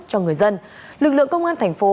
cho người dân lực lượng công an thành phố